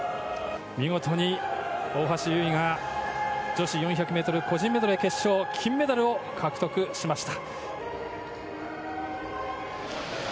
見事に大橋悠依が女子４００ｍ個人メドレー決勝で金メダルを獲得しました。